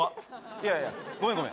いやいやごめんごめん